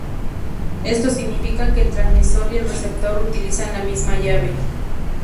Esto significa que el transmisor y el receptor utilizan la misma llave.